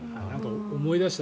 思い出した。